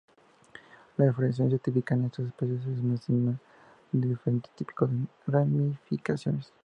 La inflorescencia típica en estas especies es una cima con diferentes tipos de ramificaciones.